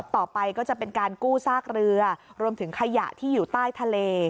ต่อไปก็จะเป็นการกู้ซากเรือรวมถึงขยะที่อยู่ใต้ทะเล